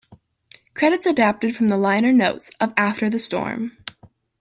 Credits adapted from the liner notes of "After the Storm".